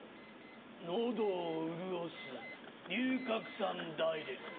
喉を潤す龍角散ダイレクト。